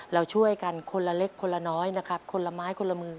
เราช่วยกันคนละเล็กคนละน้อยนะครับคนละไม้คนละมือ